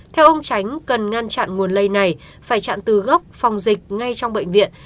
theo ông tránh cần ngăn chặn nguồn lây này phải chặn từ gốc phòng dịch ngay trong bệnh viện